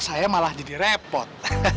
saya malah jadi repot